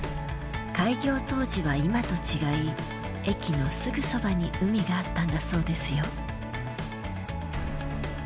開業当時は今と違い駅のすぐそばに海があったんだそうですよ。